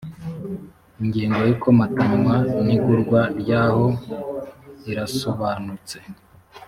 ingengo yikomatanywa nigurwa ryaho irasobanutse